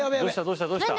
どうした？